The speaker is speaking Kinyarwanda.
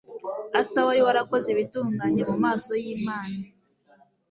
Asa wari warakoze ibitunganye mu maso yImana